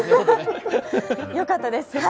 よかったです。